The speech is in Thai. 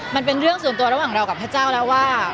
มันเป็นเรื่องส่วนตัวระหว่างเรากับพระเจ้าแล้วว่า